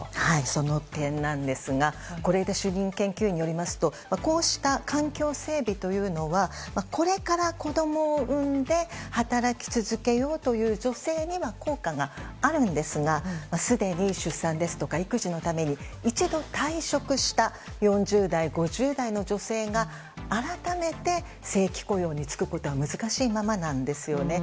その点なんですが是枝主任研究員によりますとこうした環境整備というのはこれから子供を産んで働き続けようという女性には効果があるんですがすでに出産ですとか育児のために一度退職した４０代、５０代の女性が改めて正規雇用に就くことは難しいままなんですよね。